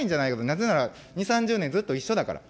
なぜなら、２、３０年ずっと一緒だから。